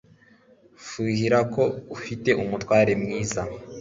Mfuhira ko ufite umutware mwiza.